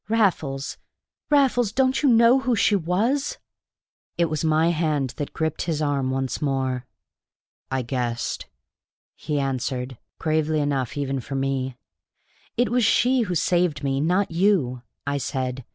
Raffles Raffles don't you know who she was?" It was my hand that gripped his arm once more. "I guessed," he answered, gravely enough even for me. "It was she who saved me, not you," I said.